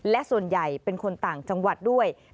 และส่วนใหญ่เป็นคนต่างจังหวัดด้วย